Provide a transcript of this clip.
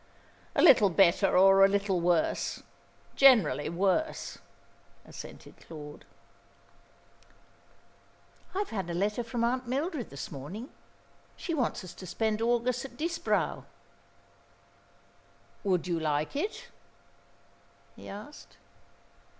"A little better or a little worse; generally worse," assented Claude. "I have had a letter from Aunt Mildred this morning. She wants us to spend August at Disbrowe." "Would you like it?" he asked.